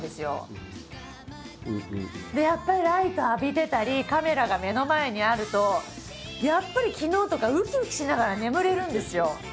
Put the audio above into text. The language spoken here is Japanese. やっぱりライト浴びてたりカメラが目の前にあるとやっぱり昨日とかうきうきしながら眠れるんですよ。